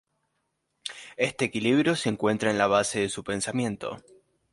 Este equilibrio se encuentra en la base de su pensamiento.